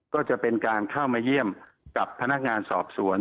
ก็จะเป็นการเข้ามาเยี่ยมกับพนักงานสอบสวน